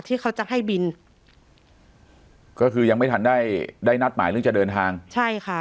ที่เขาจะให้บินก็คือยังไม่ทันได้ได้นัดหมายเรื่องจะเดินทางใช่ค่ะ